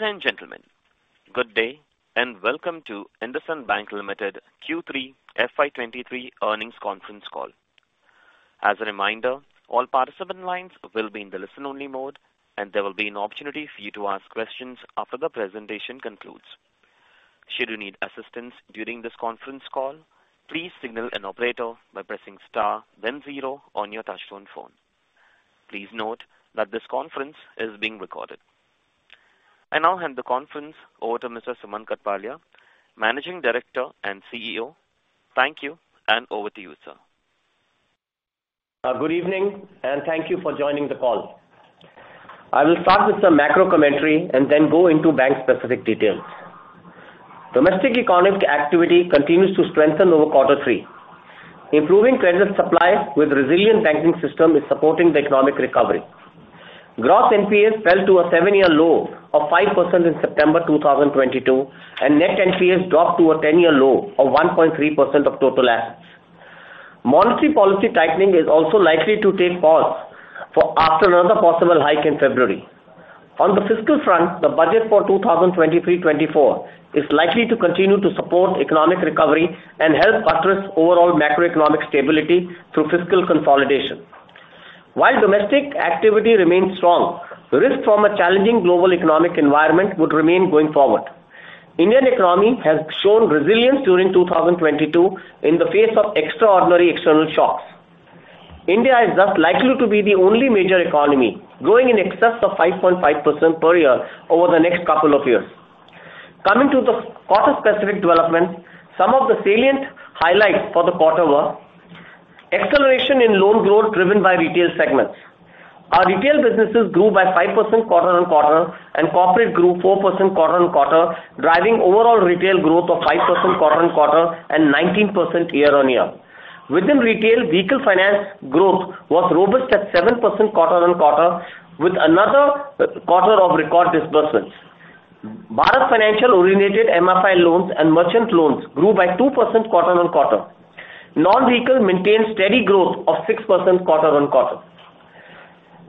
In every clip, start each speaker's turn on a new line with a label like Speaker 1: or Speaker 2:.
Speaker 1: Ladies and gentlemen, good day and welcome to IndusInd Bank Limited Q3 FY23 earnings conference call. As a reminder, all participant lines will be in the listen-only mode, and there will be an opportunity for you to ask questions after the presentation concludes. Should you need assistance during this conference call, please signal an operator by pressing star then zero on your touchtone phone. Please note that this conference is being recorded. I now hand the conference over to Mr. Sumant Kathpalia, Managing Director & CEO. Thank you, and over to you, sir.
Speaker 2: Good evening and thank you for joining the call. I will start with some macro commentary and then go into bank-specific details. Domestic economic activity continues to strengthen over quarter three. Improving credit supply with resilient banking system is supporting the economic recovery. Gross NPAs fell to a seven-year low of 5% in September 2022, and net NPAs dropped to a ten-year low of 1.3% of total assets. Monetary policy tightening is also likely to take pause after another possible hike in February. On the fiscal front, the budget for 2023-2024 is likely to continue to support economic recovery and help address overall macroeconomic stability through fiscal consolidation. While domestic activity remains strong, risk from a challenging global economic environment would remain going forward. Indian economy has shown resilience during 2022 in the face of extraordinary external shocks. India is thus likely to be the only major economy growing in excess of 5.5% per year over the next couple of years. Coming to the quarter-specific developments, some of the salient highlights for the quarter were acceleration in loan growth driven by retail segments. Our retail businesses grew by 5% quarter-on-quarter and corporate grew 4% quarter-on-quarter, driving overall retail growth of 5% quarter-on-quarter and 19% year-on-year. Within retail, vehicle finance growth was robust at 7% quarter-on-quarter with another quarter of record disbursements. Bharat Financial originated MFI loans and merchant loans grew by 2% quarter-on-quarter. Non-vehicle maintained steady growth of 6% quarter-on-quarter.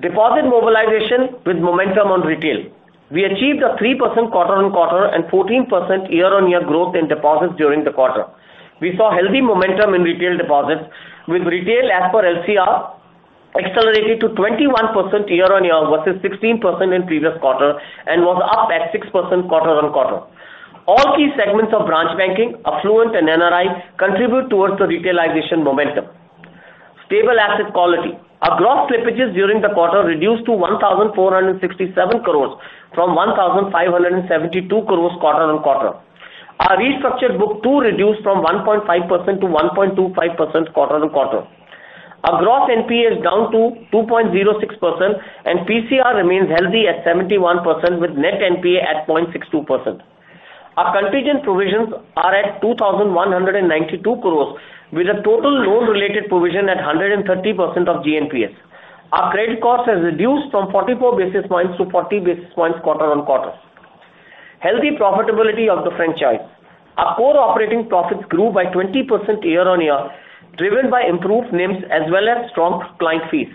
Speaker 2: Deposit mobilization with momentum on retail. We achieved a 3% quarter-on-quarter and 14% year-on-year growth in deposits during the quarter. We saw healthy momentum in retail deposits, with retail as per LCR accelerating to 21% year-on-year versus 16% in previous quarter and was up at 6% quarter-on-quarter. All key segments of branch banking, affluent and NRI contribute towards the retailization momentum. Stable asset quality. Our gross slippages during the quarter reduced to 1,467 crore from 1,572 crore quarter-on-quarter. Our restructured book too reduced from 1.5% to 1.25% quarter-on-quarter. Our gross NPA is down to 2.06% and PCR remains healthy at 71% with net NPA at 0.62%. Our contingent provisions are at 2,192 crores with a total loan-related provision at 130% of GNPA. Our credit cost has reduced from 44 basis points to 40 basis points quarter-on-quarter. Healthy profitability of the franchise. Our core operating profits grew by 20% year-on-year, driven by improved NIMs as well as strong client fees.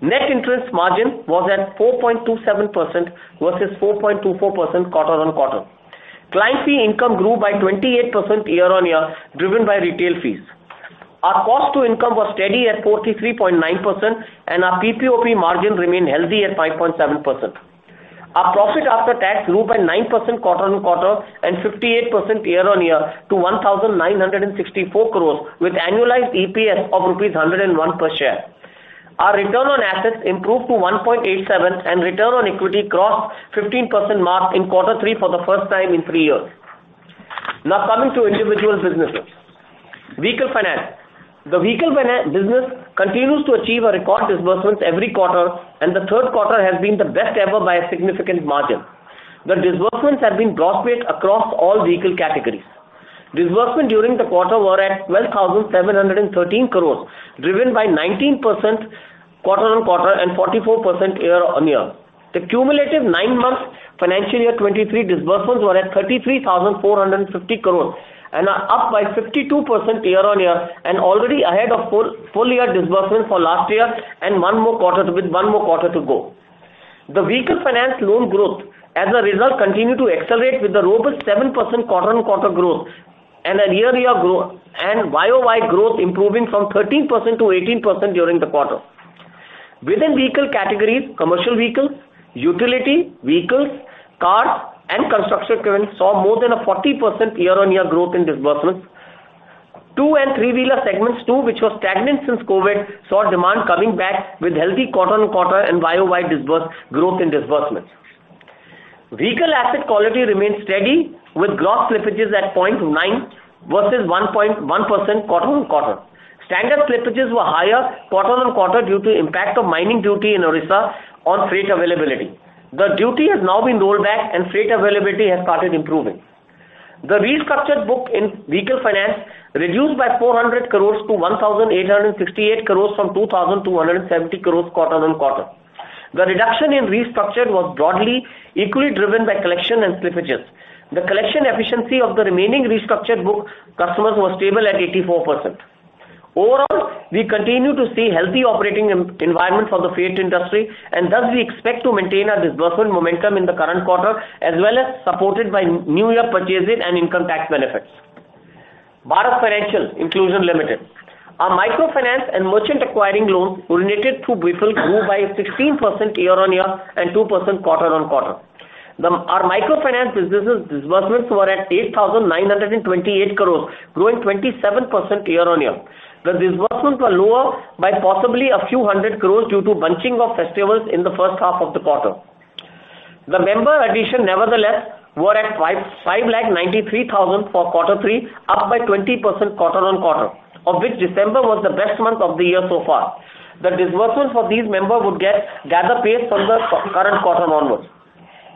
Speaker 2: Net interest margin was at 4.27% versus 4.24% quarter-on-quarter. Client fee income grew by 28% year-on-year, driven by retail fees. Our cost to income was steady at 43.9% and our PPOP margin remained healthy at 5.7%. Our profit after tax grew by 9% quarter-on-quarter and 58% year-on-year to 1,964 crores with annualized EPS of rupees 101 per share. Our return on assets improved to 1.87 and return on equity crossed 15% mark in quarter three for the first time in three years. Coming to individual businesses. Vehicle Finance. The vehicle business continues to achieve a record disbursements every quarter and the third quarter has been the best ever by a significant margin. The disbursements have been broad-based across all vehicle categories. Disbursement during the quarter were at 12,713 crores, driven by 19% quarter-on-quarter and 44% year-on-year. The cumulative nine months financial year 2023 disbursements were at 33,450 crores and are up by 52% year-on-year and already ahead of full year disbursements for last year and one more quarter, with one more quarter to go. The vehicle finance loan growth as a result continued to accelerate with a robust 7% quarter-on-quarter growth and YOY growth improving from 13% to 18% during the quarter. Within vehicle categories, commercial vehicles, utility vehicles, cars and construction equipment saw more than a 40% year-on-year growth in disbursements. Two and three-wheeler segments too, which was stagnant since COVID, saw demand coming back with healthy quarter-on-quarter and YOY growth in disbursements. Vehicle asset quality remains steady with gross slippages at 0.9 versus 1.1% quarter-on-quarter. Standard slippages were higher quarter-on-quarter due to impact of mining duty in Odisha on freight availability. The duty has now been rolled back and freight availability has started improving. The restructured book in vehicle finance reduced by 400 crores to 1,868 crores from 2,270 crores quarter-on-quarter. The reduction in restructured was broadly equally driven by collection and slippages. The collection efficiency of the remaining restructured book customers was stable at 84%. Overall, we continue to see healthy operating environment for the freight industry, thus we expect to maintain our disbursement momentum in the current quarter, as well as supported by new year purchases and income tax benefits. Bharat Financial Inclusion Limited. Our microfinance and merchant acquiring loans originated through BFIL grew by 16% year-on-year and 2% quarter-on-quarter. Our microfinance businesses disbursements were at 8,928 crores, growing 27% year-on-year. The disbursements were lower by possibly a few hundred crores due to bunching of festivals in the first half of the quarter. The member addition, nevertheless, were at 593,000 for quarter three, up by 20% quarter-on-quarter, of which December was the best month of the year so far. The disbursements for these member would gather pace from the current quarter onwards.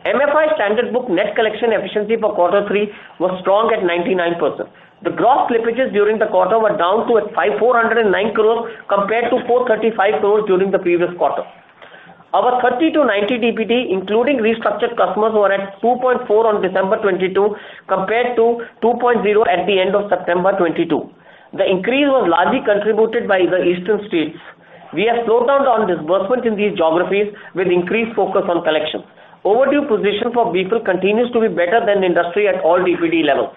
Speaker 2: MFI standard book net collection efficiency for quarter three was strong at 99%. The gross slippages during the quarter were down to 409 crores compared to 435 crores during the previous quarter. Our 30-90 DPD, including restructured customers, were at 2.4 on December 2022, compared to 2.0 at the end of September 2022. The increase was largely contributed by the eastern states. We have slowed down on disbursements in these geographies with increased focus on collections. Overdue position for BFIL continues to be better than the industry at all DPD levels.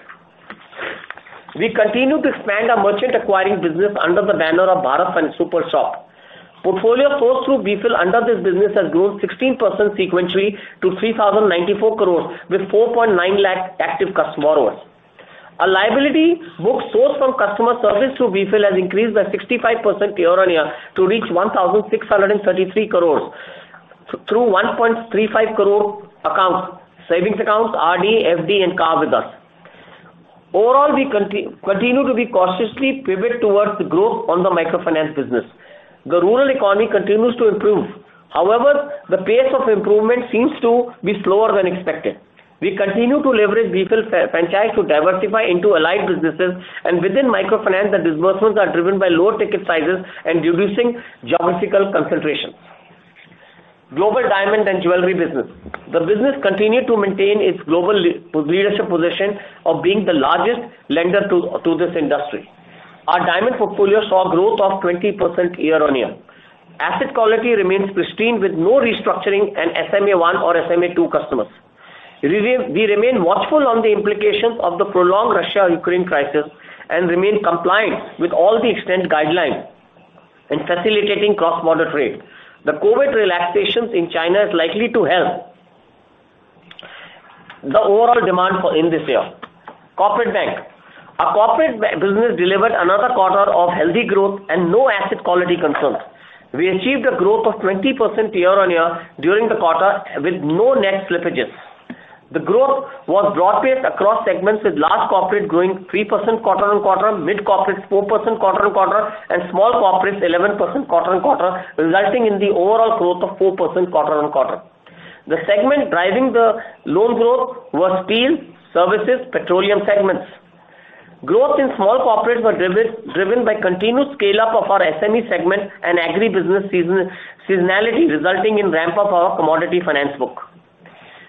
Speaker 2: We continue to expand our merchant acquiring business under the banner of Bharat Money Store. Portfolio flows through BFIL under this business has grown 16% sequentially to 3,094 crore with 4.9 lakh active customers. Our liability book sourced from customer service through BFIL has increased by 65% year-on-year to reach 1,633 crore through 1.35 crore accounts, savings accounts, RD, FD, and CASA with us. Overall, we continue to be cautiously pivot towards the growth on the microfinance business. The rural economy continues to improve. The pace of improvement seems to be slower than expected. We continue to leverage BFIL franchise to diversify into allied businesses, within microfinance, the disbursements are driven by lower ticket sizes and reducing geographical concentrations. Global diamond and jewelry business. The business continued to maintain its global leadership position of being the largest lender to this industry. Our diamond portfolio saw a growth of 20% year-on-year. Asset quality remains pristine with no restructuring and SMA-1 or SMA-2 customers. We remain watchful on the implications of the prolonged Russia-Ukraine crisis and remain compliant with all the extent guidelines in facilitating cross-border trade. The COVID relaxations in China is likely to help the overall demand for in this year. Corporate bank. Our corporate business delivered another quarter of healthy growth and no asset quality concerns. We achieved a growth of 20% year-on-year during the quarter with no net slippages. The growth was broad-based across segments, with large corporate growing 3% quarter-on-quarter, mid-corporate 4% quarter-on-quarter, and small corporate 11% quarter-on-quarter, resulting in the overall growth of 4% quarter-on-quarter. The segment driving the loan growth was steel, services, petroleum segments. Growth in small corporates were driven by continuous scale-up of our SME segment and agribusiness seasonality, resulting in ramp-up of our commodity finance book.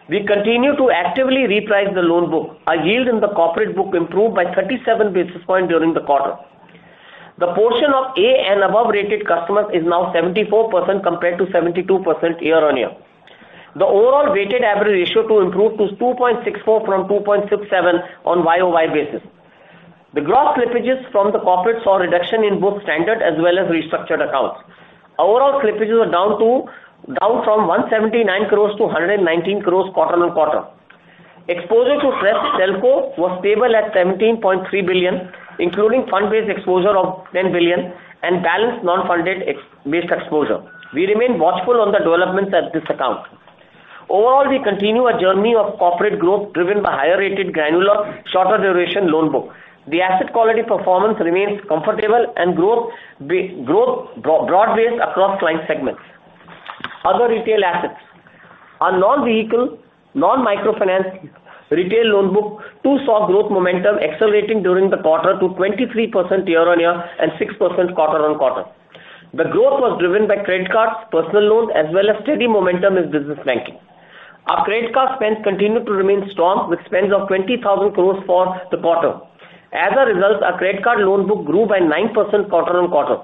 Speaker 2: We continue to actively reprice the loan book. Our yield in the corporate book improved by 37 basis points during the quarter. The portion of A and above rated customers is now 74% compared to 72% year-on-year. The overall weighted average ratio to improve to 2.64 from 2.67 on year-over-year basis. The gross slippages from the corporate saw a reduction in both standard as well as restructured accounts. Overall slippages were down from 179 crores to 119 crores quarter-on-quarter. Exposure to stressed telco was stable at 17.3 billion, including fund-based exposure of 10 billion and balanced non-funded ex-based exposure. We remain watchful on the developments at this account. Overall, we continue our journey of corporate growth driven by higher-rated granular, shorter duration loan book. The asset quality performance remains comfortable and growth broad based across client segments. Other retail assets. Our non-vehicle, non-microfinance retail loan book, too, saw growth momentum accelerating during the quarter to 23% year-on-year and 6% quarter-on-quarter. The growth was driven by credit cards, personal loans, as well as steady momentum in business banking. Our credit card spends continue to remain strong, with spends of 20,000 crores for the quarter. Our credit card loan book grew by 9% quarter-on-quarter.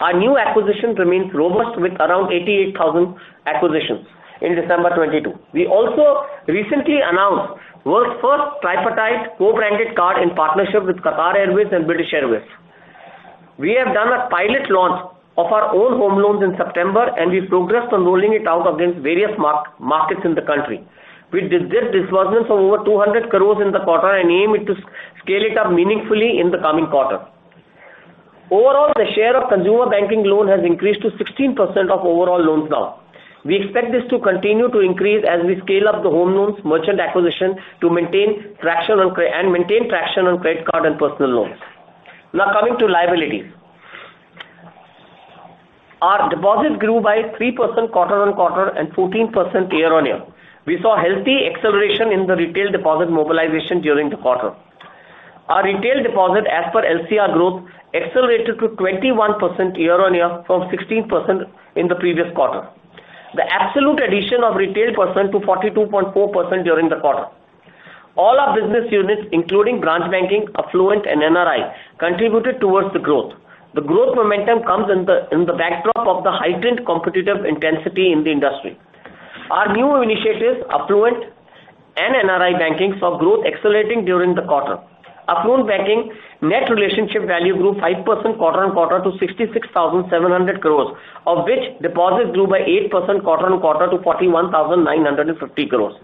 Speaker 2: Our new acquisition remains robust with around 88,000 acquisitions in December 2022. We also recently announced world's first tripartite co-branded card in partnership with Qatar Airways and British Airways. We have done a pilot launch of our own home loans in September, and we progressed on rolling it out against various mark-markets in the country. We did disbursements of over 200 crores in the quarter and aim it to scale it up meaningfully in the coming quarter. The share of consumer banking loan has increased to 16% of overall loans now. We expect this to continue to increase as we scale up the home loans merchant acquisition to maintain traction on credit card and personal loans. Coming to liabilities. Our deposits grew by 3% quarter-on-quarter and 14% year-on-year. We saw healthy acceleration in the retail deposit mobilization during the quarter. Our retail deposit, as per LCR growth, accelerated to 21% year-on-year from 16% in the previous quarter. The absolute addition of retail percent to 42.4% during the quarter. All our business units, including branch banking, affluent and NRI, contributed towards the growth. The growth momentum comes in the backdrop of the heightened competitive intensity in the industry. Our new initiatives, affluent and NRI banking, saw growth accelerating during the quarter. Affluent banking net relationship value grew 5% quarter-on-quarter to 66,700 crores, of which deposits grew by 8% quarter-on-quarter to 41,950 crores.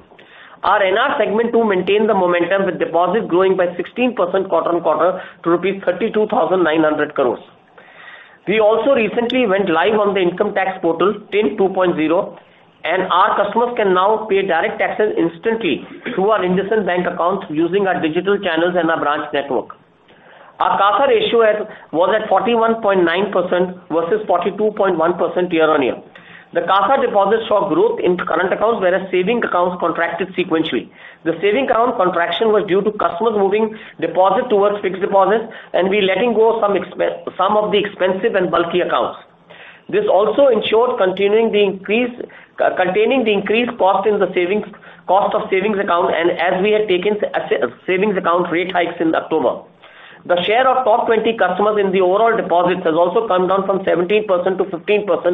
Speaker 2: Our NRI segment too maintained the momentum, with deposits growing by 16% quarter-on-quarter to 32,900 crores. Our customers can now pay direct taxes instantly through our IndusInd Bank accounts using our digital channels and our branch network. Our CASA ratio was at 41.9% versus 42.1% year-on-year. The CASA deposits saw growth in current accounts, whereas savings accounts contracted sequentially. The savings account contraction was due to customers moving deposits towards fixed deposits and we letting go some of the expensive and bulky accounts. This also ensured containing the increase cost in the cost of savings account and as we had taken savings account rate hikes in October. The share of top 20 customers in the overall deposits has also come down from 17% to 15%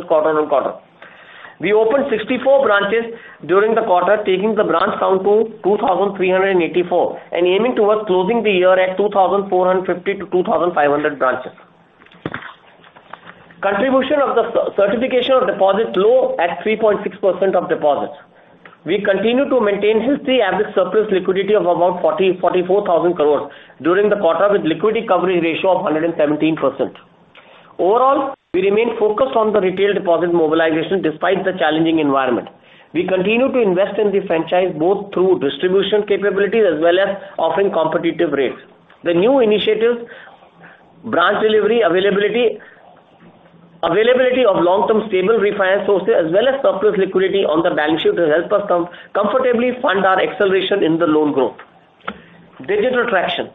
Speaker 2: quarter-on-quarter. We opened 64 branches during the quarter, taking the branch count to 2,384, and aiming towards closing the year at 2,450-2,500 branches. Contribution of the certification of deposits low at 3.6% of deposits. We continue to maintain healthy average surplus liquidity of about 44,000 crores during the quarter, with liquidity coverage ratio of 117%. Overall, we remain focused on the retail deposit mobilization despite the challenging environment. We continue to invest in the franchise both through distribution capabilities as well as offering competitive rates. The new initiatives, branch delivery availability of long-term stable refinance sources, as well as surplus liquidity on the balance sheet will help us comfortably fund our acceleration in the loan growth. Digital traction.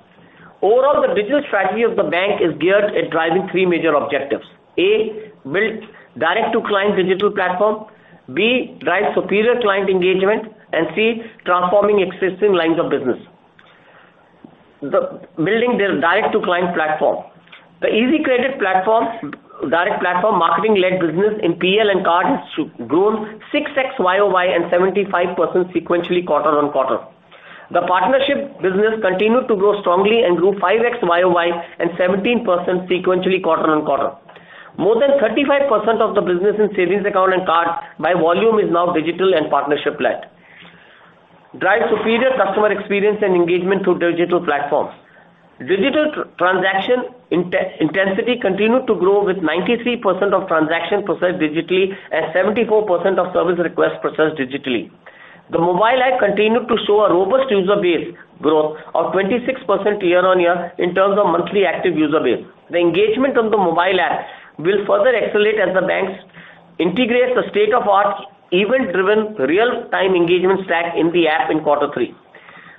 Speaker 2: Overall, the digital strategy of the bank is geared at driving three major objectives. A, build direct-to-client digital platform. B, drive superior client engagement. C, transforming existing lines of business. The building the direct-to-client platform. The IndusEasy Credit platform, direct platform marketing-led business in PL and card has grown 6x YOY and 75% sequentially quarter-on-quarter. The partnership business continued to grow strongly and grew 5x YOY and 17% sequentially quarter-on-quarter. More than 35% of the business in savings account and card by volume is now digital and partnership-led. Drive superior customer experience and engagement through digital platforms. Digital transaction intensity continued to grow with 93% of transactions processed digitally and 74% of service requests processed digitally. The mobile app continued to show a robust user base growth of 26% year-on-year in terms of monthly active user base. The engagement on the mobile app will further accelerate as the banks integrate the state-of-art event-driven real-time engagement stack in the app in quarter three.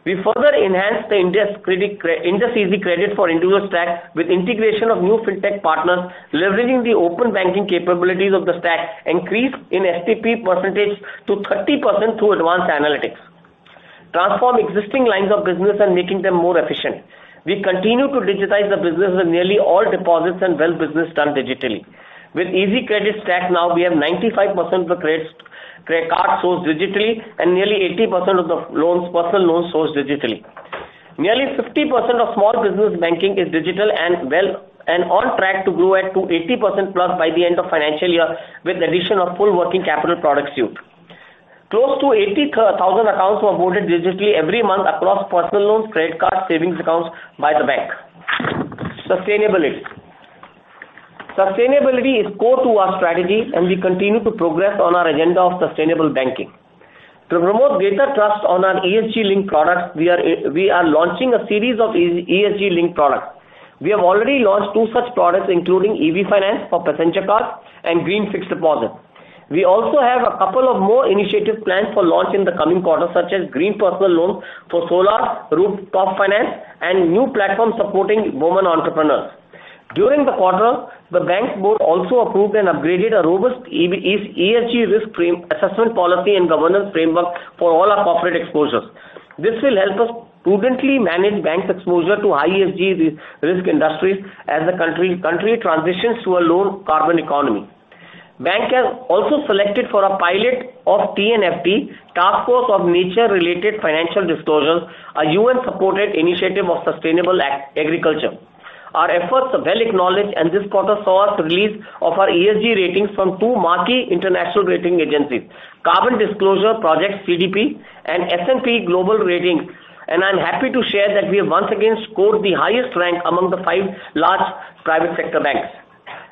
Speaker 2: We further enhanced the IndusEasy Credit for individual stack with integration of new fintech partners leveraging the open banking capabilities of the stack increase in STP% to 30% through advanced analytics. Transform existing lines of business and making them more efficient. We continue to digitize the business with nearly all deposits and wealth business done digitally. With easy credit stack now we have 95% of the credits, credit cards sourced digitally and nearly 80% of the loans, personal loans sourced digitally. Nearly 50% of small business banking is digital and wealth and on track to grow at 80%+ by the end of financial year with the addition of full working capital product suite. Close to 80,000 accounts were boarded digitally every month across personal loans, credit cards, savings accounts by the bank. Sustainability. Sustainability is core to our strategy. We continue to progress on our agenda of sustainable banking. To promote greater trust on our ESG linked products, we are launching a series of ESG linked products. We have already launched two such products, including EV finance for passenger cars and green fixed deposits. We also have a couple of more initiatives planned for launch in the coming quarter, such as green personal loans for solar rooftop finance and new platform supporting women entrepreneurs. During the quarter, the bank's board also approved and upgraded a robust ESG risk frame assessment policy and governance framework for all our corporate exposures. This will help us prudently manage bank's exposure to high ESG risk industries as the country transitions to a low carbon economy. Bank has also selected for a pilot of TNFD, Taskforce on Nature-related Financial Disclosures, a UN-supported initiative of sustainable agriculture. Our efforts are well acknowledged, and this quarter saw us release of our ESG ratings from two marquee international rating agencies, Carbon Disclosure Project, CDP, and S&P Global Ratings, and I'm happy to share that we have once again scored the highest rank among the five large private sector banks.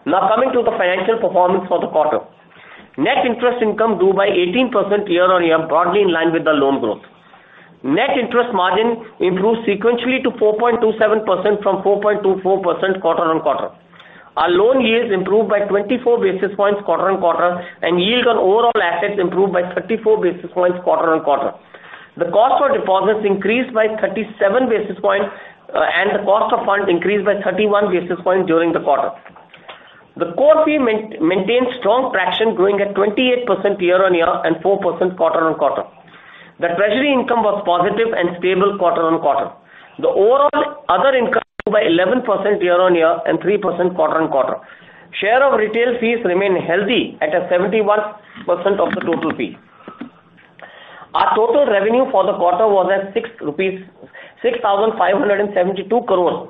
Speaker 2: Coming to the financial performance for the quarter. Net interest income grew by 18% year-on-year, broadly in line with the loan growth. Net interest margin improved sequentially to 4.27% from 4.24% quarter-on-quarter. Our loan yields improved by 24 basis points quarter-on-quarter, and yield on overall assets improved by 34 basis points quarter-on-quarter. The cost for deposits increased by 37 basis points, and the cost of funds increased by 31 basis points during the quarter. The core fee maintained strong traction growing at 28% year-on-year and 4% quarter-on-quarter. The treasury income was positive and stable quarter-on-quarter. The overall other income grew by 11% year-on-year and 3% quarter-on-quarter. Share of retail fees remain healthy at a 71% of the total fee. Our total revenue for the quarter was at 6,572 crores rupees,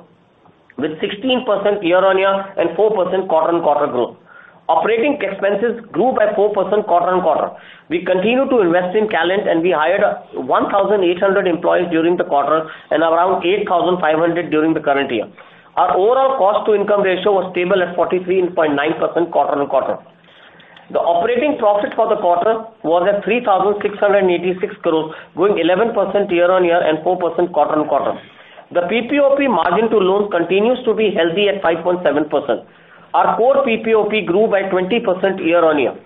Speaker 2: with 16% year-on-year and 4% quarter-on-quarter growth. Operating expenses grew by 4% quarter-on-quarter. We continue to invest in talent, we hired 1,800 employees during the quarter and around 8,500 during the current year. Our overall cost-to-income ratio was stable at 43.9% quarter-on-quarter. The operating profit for the quarter was at 3,686 crores, growing 11% year-on-year and 4% quarter-on-quarter. The PPOP margin to loans continues to be healthy at 5.7%. Our core PPOP grew by 20% year-on-year.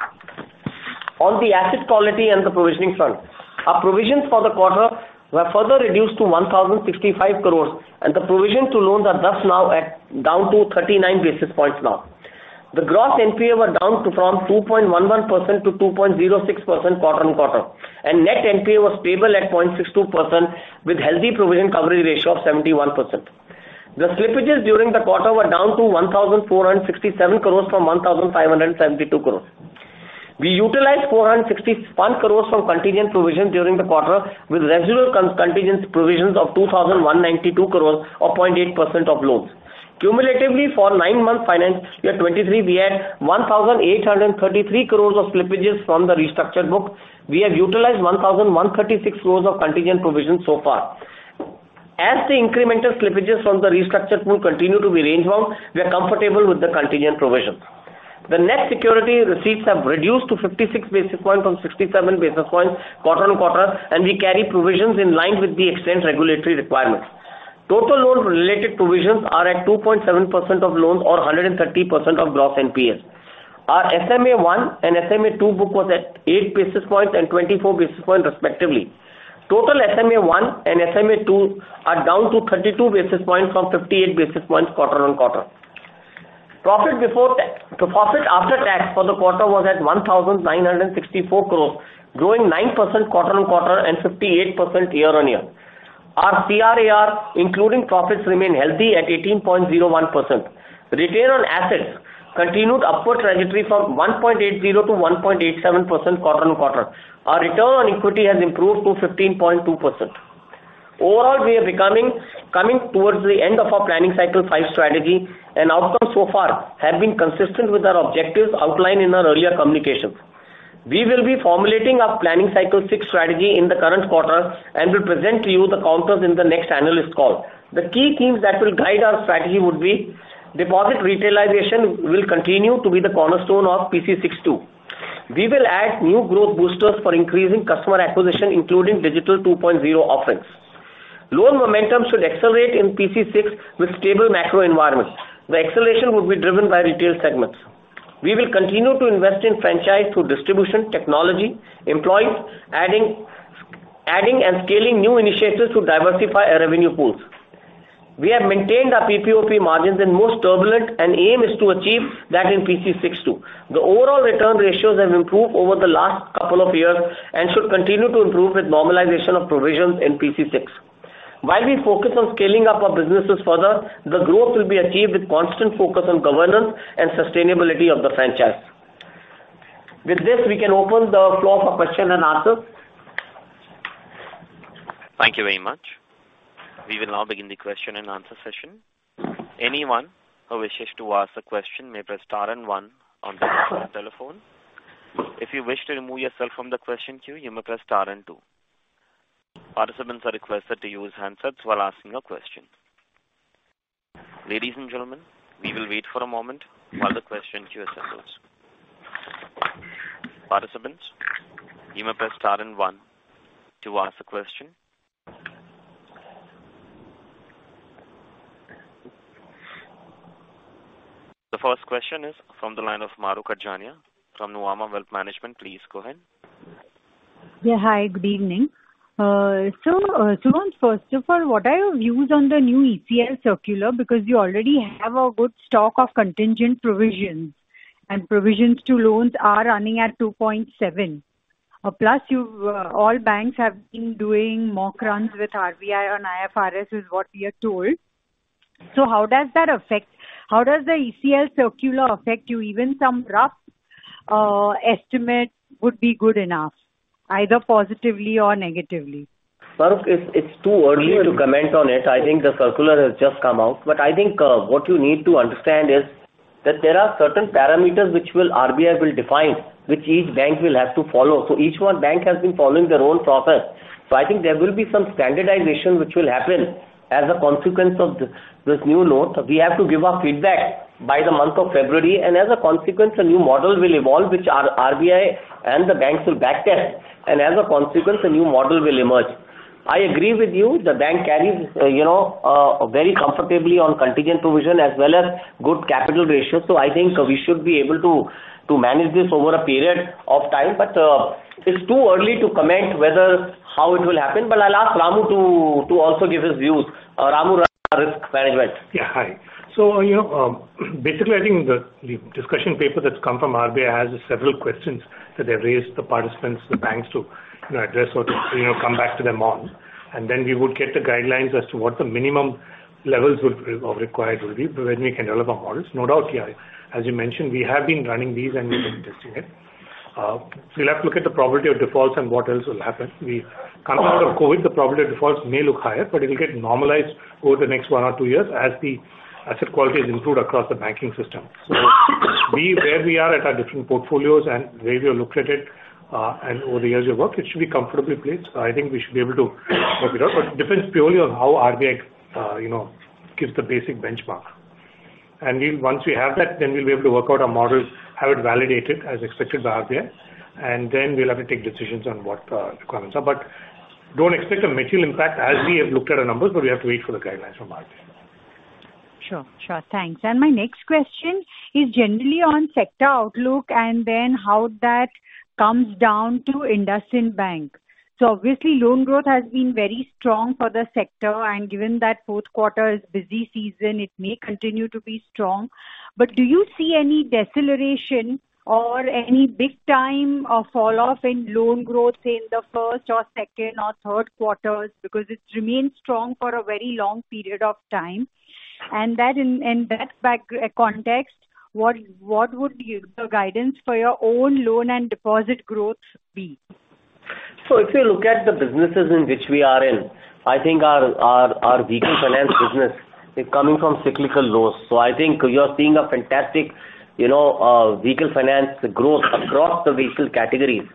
Speaker 2: On the asset quality and the provisioning front, the provisions for the quarter were further reduced to 1,065 crores, and the provision to loans are thus now at down to 39 basis points now. The gross NPA were down from 2.11% to 2.06% quarter-on-quarter. Net NPA was stable at 0.62% with healthy provision coverage ratio of 71%. The slippages during the quarter were down to 1,467 crores from 1,572 crores. We utilized 461 crores from contingent provision during the quarter, with residual contingent provisions of 2,192 crores or 0.8% of loans. Cumulatively, for nine-month financial year 2023, we had 1,833 crores of slippages from the restructured book. We have utilized 1,136 crores of contingent provisions so far. As the incremental slippages from the restructured pool continue to be range-bound, we are comfortable with the contingent provision. The net security receipts have reduced to 56 basis points from 67 basis points quarter-on-quarter. We carry provisions in line with the exchange regulatory requirements. Total loan-related provisions are at 2.7% of loans or 130% of gross NPAs. Our SMA-I and SMA-II book was at 8 basis points and 24 basis points respectively. Total SMA-I and SMA-II are down to 32 basis points from 58 basis points quarter-on-quarter. The profit after tax for the quarter was at 1,964 crores, growing 9% quarter-on-quarter and 58% year-on-year. Our CRAR, including profits, remain healthy at 18.01%. Return on assets continued upward trajectory from 1.80% to 1.87% quarter-on-quarter. Our return on equity has improved to 15.2%. Overall, we are coming towards the end of our PC5 strategy and outcomes so far have been consistent with our objectives outlined in our earlier communications. We will be formulating our PC6 strategy in the current quarter and will present to you the counters in the next analyst call. The key themes that will guide our strategy would be deposit retailization will continue to be the cornerstone of PC6 too. We will add new growth boosters for increasing customer acquisition, including digital 2.0 offerings. Loan momentum should accelerate in PC6 with stable macro environment. The acceleration will be driven by retail segments. We will continue to invest in franchise through distribution, technology, employees, adding and scaling new initiatives to diversify our revenue pools. We have maintained our PPOP margins in most turbulent and aim is to achieve that in PC6 too. The overall return ratios have improved over the last couple of years and should continue to improve with normalization of provisions in PC6. While we focus on scaling up our businesses further, the growth will be achieved with constant focus on governance and sustainability of the franchise. With this, we can open the floor for question and answers.
Speaker 1: Thank you very much. We will now begin the question and answer session. Anyone who wishes to ask a question may press star and one on their telephone. If you wish to remove yourself from the question queue, you may press star and two. Participants are requested to use handsets while asking a question. Ladies and gentlemen, we will wait for a moment while the question queue assembles. Participants, you may press star and one to ask a question. The first question is from the line of Mahrukh Adajania from Nuvama Wealth Management. Please go ahead.
Speaker 3: Hi. Good evening. Suranj, first of all, what are your views on the new ECL circular? You already have a good stock of contingent provisions, and provisions to loans are running at 2.7%. Plus you've all banks have been doing mock runs with RBI on IFRS, is what we are told. How does that affect? How does the ECL circular affect you? Even some rough estimate would be good enough, either positively or negatively.
Speaker 2: Well, it's too early to comment on it. I think the circular has just come out. I think, what you need to understand is that there are certain parameters which RBI will define, which each bank will have to follow. Each one bank has been following their own process. I think there will be some standardization which will happen as a consequence of this new note. We have to give our feedback by the month of February. As a consequence, a new model will evolve, which our RBI and the banks will back test. As a consequence, a new model will emerge. I agree with you. The bank carries, you know, very comfortably on contingent provision as well as good capital ratio. I think we should be able to manage this over a period of time, but it's too early to comment whether how it will happen. I'll ask Ramu to also give his views. Ramu runs our risk management.
Speaker 4: Yeah. Hi. You know, basically, I think the discussion paper that's come from RBI has several questions that they've raised the participants, the banks to, you know, address or to, you know, come back to them on. Then we would get the guidelines as to what the minimum levels would required will be when we can develop our models. No doubt, yeah, as you mentioned, we have been running these and we've been testing it. We'll have to look at the probability of defaults and what else will happen.
Speaker 3: Uh-huh.
Speaker 4: Coming out of COVID, the probability of defaults may look higher, but it will get normalized over the next one or two years as the asset quality is improved across the banking system. Where we are at our different portfolios and the way we have looked at it, and over the years we work, it should be comfortably placed. I think we should be able to work it out. It depends purely on how RBI, you know, gives the basic benchmark. Once we have that, then we'll be able to work out our models, have it validated as expected by RBI, and then we'll have to take decisions on what requirements are. Don't expect a material impact as we have looked at our numbers, but we have to wait for the guidelines from RBI.
Speaker 3: Sure. Sure. Thanks. My next question is generally on sector outlook and then how that comes down to IndusInd Bank. Obviously, loan growth has been very strong for the sector, and given that fourth quarter is busy season, it may continue to be strong. Do you see any deceleration or any big time of fall off in loan growth in the first or second or third quarters? Because it's remained strong for a very long period of time. That in that back context, what would be the guidance for your own loan and deposit growth be?
Speaker 2: If you look at the businesses in which we are in, I think our vehicle finance business is coming from cyclical lows. I think you are seeing a fantastic, you know, vehicle finance growth across the vehicle categories.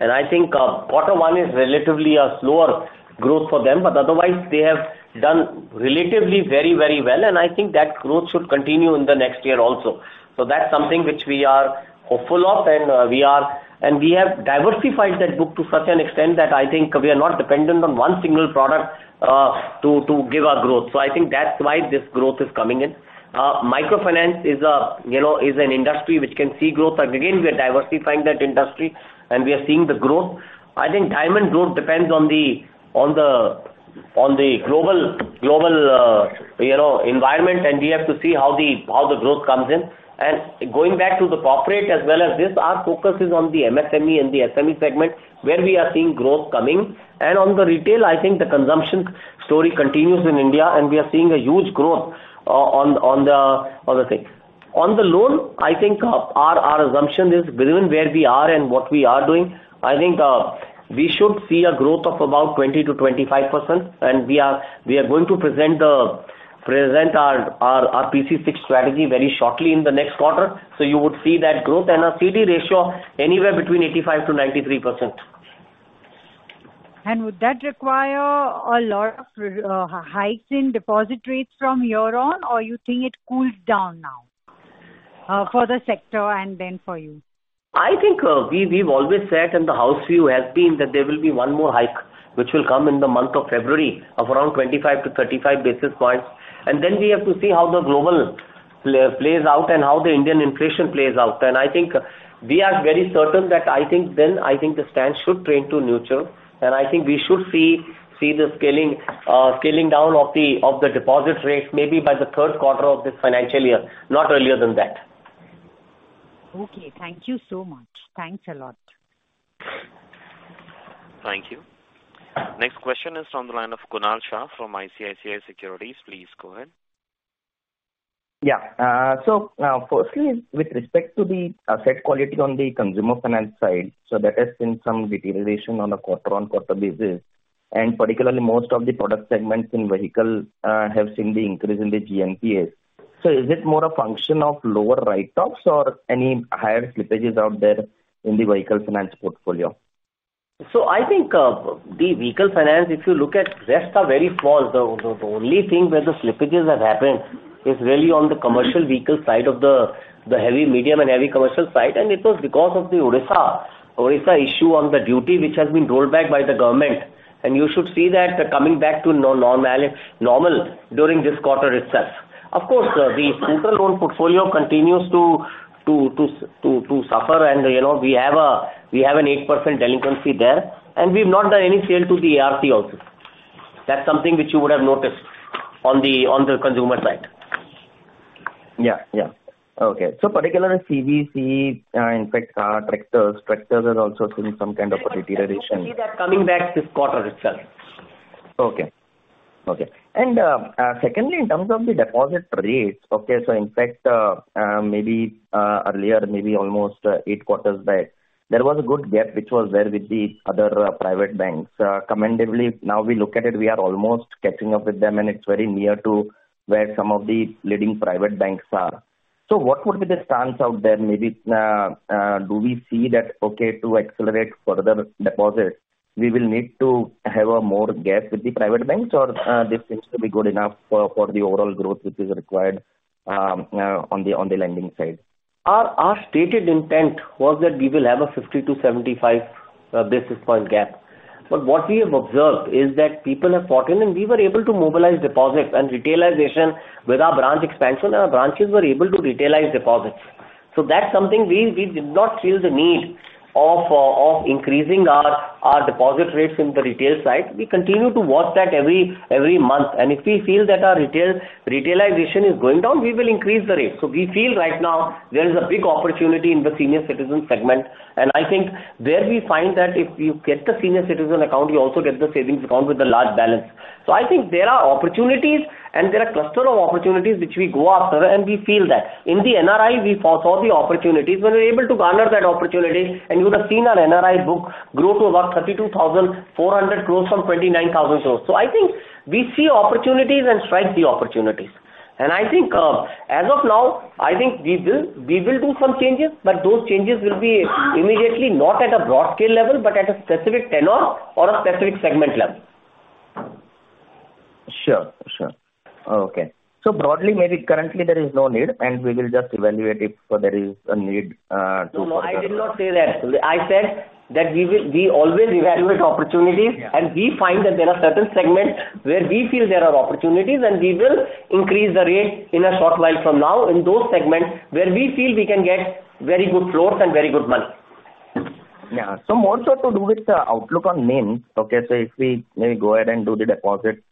Speaker 2: I think, quarter one is relatively a slower growth for them, but otherwise they have done relatively very, very well. I think that growth should continue in the next year also. That's something which we are hopeful of and we have diversified that book to such an extent that I think we are not dependent on one single product to give our growth. I think that's why this growth is coming in. Micro finance is an industry, which should see growth and we are diversifying that portfolio with merchant advances. Diamond finance growth depends on the global enviornment, and we have to see how the growth comes in. Going back to the corporate, our focus is on the MSME and the SME segment, where we are seeing growth coming in. And on the retail loans side, consumption story continues in India, and we are seeing a huge growth on that part. So on the overall loan growth, where we are and what we are doing, we are expecting a loan growth of 20% to 25%. We are going to present our PC6 strategy very shortly in the next quarter. You would see that growth and our CD ratio anywhere between 85%-93%.
Speaker 3: Would that require a lot of hikes in deposit rates from your end or you think it cooled down now, for the sector and then for you?
Speaker 2: I think, we've always said and the house view has been that there will be one more hike which will come in the month of February of around 25-35 basis points. Then we have to see how the global plays out and how the Indian inflation plays out. I think we are very certain that, I think then, I think the stance should turn to neutral and I think we should see the scaling down of the, of the deposit rates maybe by the third quarter of this financial year, not earlier than that.
Speaker 3: Okay. Thank you so much. Thanks a lot.
Speaker 1: Thank you. Next question is from the line of Kunal Shah from ICICI Securities. Please go ahead.
Speaker 5: Firstly with respect to the asset quality on the consumer finance side, there has been some deterioration on a quarter-on-quarter basis, particularly most of the product segments in vehicle have seen the increase in the GNPA. Is it more a function of lower write-offs or any higher slippages out there in the vehicle finance portfolio?
Speaker 2: I think the vehicle finance, if you look at, rest are very small. The only thing where the slippages have happened is really on the commercial vehicle side of the heavy, medium and heavy commercial side. It was because of the Odisha issue on the duty, which has been rolled back by the government. You should see that coming back to normal during this quarter itself. Of course, the central loan portfolio continues to suffer. You know, we have an 8% delinquency there, and we've not done any sale to the ARC also. That's something which you would have noticed on the consumer side.
Speaker 5: Yeah. Yeah. Okay. Particularly CVC, in fact, tractors are also seeing some kind of a deterioration.
Speaker 2: We see that coming back this quarter itself.
Speaker 5: Okay. Okay. Secondly, in terms of the deposit rates. Okay. In fact, earlier, almost eight quarters back, there was a good gap which was there with the other private banks. Commendably now we look at it, we are almost catching up with them and it's very near to where some of the leading private banks are. What would be the stance out there? Maybe, do we see that, okay, to accelerate further deposits, we will need to have a more gap with the private banks or, this seems to be good enough for the overall growth which is required on the lending side?
Speaker 2: Our stated intent was that we will have a 50-75 basis point gap. What we have observed is that people have brought in and we were able to mobilize deposits and retailization with our branch expansion and our branches were able to retailize deposits. So that's something we did not feel the need of increasing our deposit rates in the retail side. We continue to watch that every month. If we feel that our retailization is going down, we will increase the rate. We feel right now there is a big opportunity in the senior citizen segment, and I think there we find that if you get the senior citizen account, you also get the savings account with a large balance. I think there are opportunities and there are cluster of opportunities which we go after, and we feel that. In the NRI we saw the opportunities. When we're able to garner that opportunity, and you would have seen our NRI book grow to about 32,400 crores from 29,000 crores. I think we see opportunities and strike the opportunities. I think, as of now, I think we will do some changes, but those changes will be immediately not at a broad scale level, but at a specific tenor or a specific segment level.
Speaker 5: Sure. Sure. Okay. Broadly, maybe currently there is no need, and we will just evaluate if there is a need.
Speaker 2: No, no, I did not say that. I said that we always evaluate opportunities-
Speaker 5: Yeah.
Speaker 2: We find that there are certain segments where we feel there are opportunities and we will increase the rate in a short while from now in those segments where we feel we can get very good flows and very good money.
Speaker 5: Yeah. More so to do with the outlook on main. Okay. If we maybe go ahead and do the deposit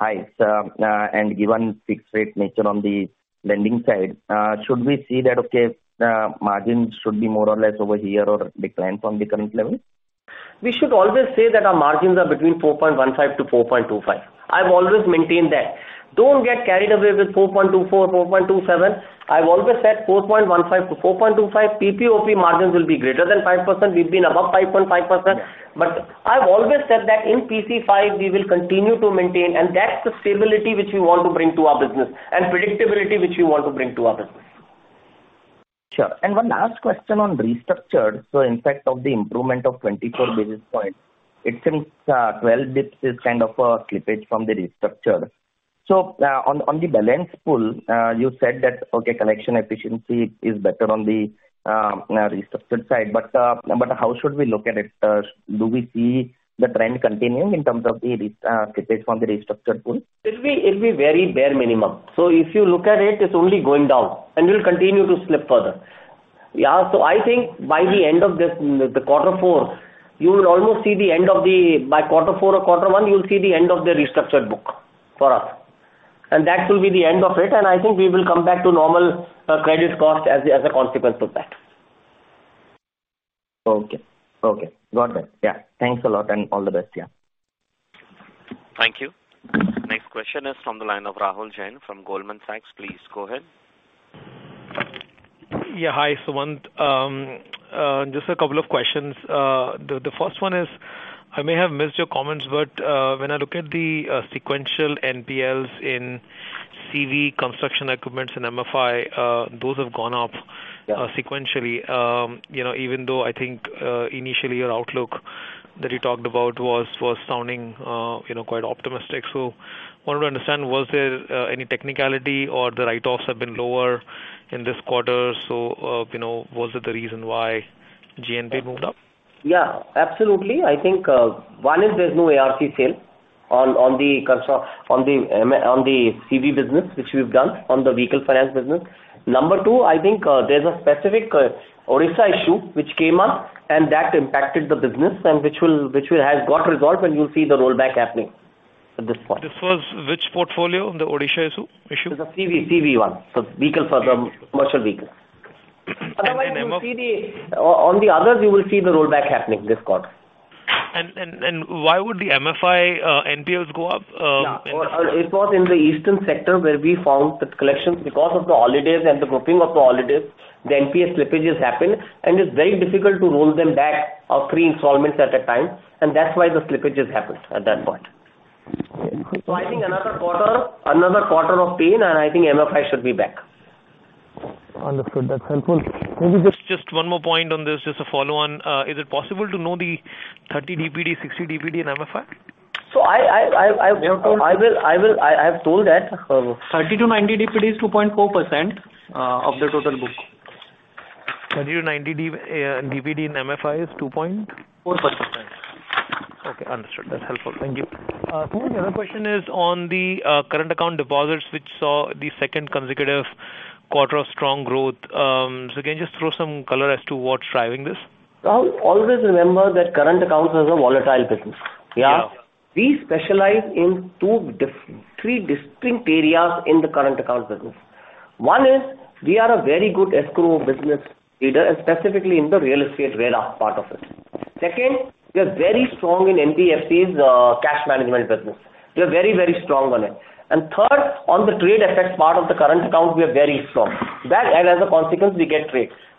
Speaker 5: highs and given fixed rate nature on the lending side, should we see that, okay, margins should be more or less over here or decline from the current level?
Speaker 2: We should always say that our margins are 4.15%-4.25%. I've always maintained that. Don't get carried away with 4.24%, 4.27%. I've always said 4.15%-4.25%. PPOP margins will be greater than 5%. We've been above 5.5%.
Speaker 5: Yeah.
Speaker 2: I've always said that in PC5 we will continue to maintain, and that's the stability which we want to bring to our business and predictability which we want to bring to our business.
Speaker 5: Sure. One last question on restructured. Impact of the improvement of 24 basis points, it seems, 12 basis points is kind of a slippage from the restructure. On the balance pool, you said that, okay, collection efficiency is better on the restructured side, but how should we look at it? Do we see the trend continuing in terms of the slippage from the restructured pool?
Speaker 2: It'll be very bare minimum. If you look at it's only going down, and we'll continue to slip further. Yeah. I think by the end of this, the quarter four, you will almost see the end of the... By quarter four or quarter one, you'll see the end of the restructured book for us, and that will be the end of it. I think we will come back to normal credit cost as a consequence of that.
Speaker 5: Okay. Okay. Got it. Yeah. Thanks a lot and all the best. Yeah.
Speaker 1: Thank you. Next question is from the line of Rahul Jain from Goldman Sachs. Please go ahead.
Speaker 6: Yeah. Hi, Sumant. Just a couple of questions. The first one is, I may have missed your comments, but when I look at the sequential NPLs in CV construction equipments and MFI, those have gone up-
Speaker 2: Yeah.
Speaker 6: sequentially. You know, even though I think, initially your outlook that you talked about was sounding, you know, quite optimistic. Wanted to understand, was there any technicality or the write-offs have been lower in this quarter? You know, was it the reason why GNPA moved up?
Speaker 2: Yeah, absolutely. I think, one is there's no ARC sale on the CV business, which we've done on the vehicle finance business. Number two, I think, there's a specific Odisha issue which came up and that impacted the business and which will have got resolved and you'll see the rollback happening at this point.
Speaker 6: This was which portfolio on the Odisha issue? Issue.
Speaker 2: It's the CV one. Vehicle for the commercial vehicles.
Speaker 6: Then the.
Speaker 2: Otherwise, on the others you will see the rollback happening this quarter.
Speaker 6: Why would the MFI NPLs go up?
Speaker 2: Yeah. It was in the eastern sector where we found that collections because of the holidays and the grouping of the holidays, the NPL slippages happened and it's very difficult to roll them back or three installments at a time and that's why the slippages happens at that point.
Speaker 6: Okay.
Speaker 2: I think another quarter, another quarter of pain and I think MFI should be back.
Speaker 6: Understood. That's helpful. Maybe just one more point on this, just a follow on. Is it possible to know the 30 DPD, 60 DPD in MFI?
Speaker 2: So I, I, I, I-
Speaker 6: You have told.
Speaker 2: I will, I have told that.
Speaker 7: 30 to 90 DPD is 2.4% of the total book.
Speaker 6: 30 to 90 DPD in MFI is 2 point?
Speaker 2: 4%.
Speaker 6: Okay, understood. That's helpful. Thank you. second, the other question is on the current account deposits which saw the second consecutive quarter of strong growth. Can you just throw some color as to what's driving this?
Speaker 2: Rahul, always remember that current accounts is a volatile business. Yeah.
Speaker 6: Yeah.
Speaker 2: We specialize in three distinct areas in the current account business. One is we are a very good escrow business leader and specifically in the real estate RERA part of it. Second, we are very strong in NBFCs, cash management business. We are very strong on it. Third, on the trade effects part of the current account we are very strong. As a consequence we get